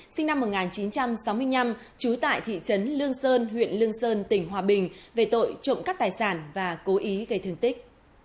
sinh năm một nghìn chín trăm sáu mươi năm trú tại thị trấn lương sơn huyện lương sơn tỉnh hòa bình về tội trộm cắt tài sản và cố ý gây thương tích